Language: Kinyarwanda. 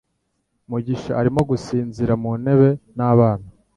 Mugisha arimo gusinzira mu ntebe n' abana.